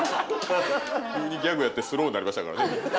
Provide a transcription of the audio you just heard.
急にギャグやってスローになりましたからね。